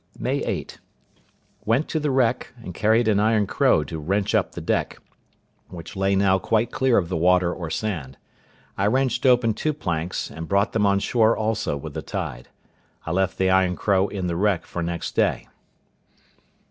May 8.—Went to the wreck, and carried an iron crow to wrench up the deck, which lay now quite clear of the water or sand. I wrenched open two planks, and brought them on shore also with the tide. I left the iron crow in the wreck for next day.